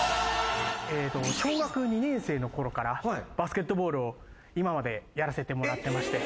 小学２年生のころからバスケットボールを今までやらせてもらってまして。